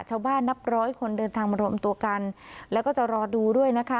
นับร้อยคนเดินทางมารวมตัวกันแล้วก็จะรอดูด้วยนะคะ